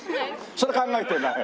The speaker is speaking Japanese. それは考えてない？